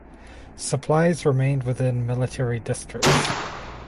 Supplies remained within military districts.